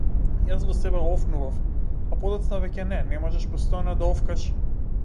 Јас во себе офнував, а подоцна веќе не, не можеш постојано да офкаш.